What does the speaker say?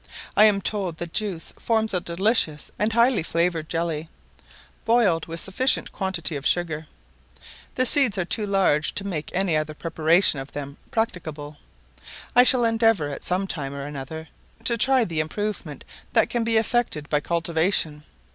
I am told the juice forms a delicious and highly flavoured jelly, boiled with sufficient quantity of sugar; the seeds are too large to make any other preparation of them practicable. I shall endeavour, at some time or other, to try the improvement that can be effected by cultivation.